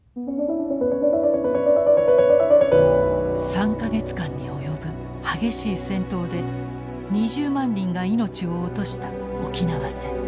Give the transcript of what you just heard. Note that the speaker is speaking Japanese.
３か月間に及ぶ激しい戦闘で２０万人が命を落とした沖縄戦。